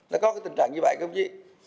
nó có tình trạng như vậy không chứ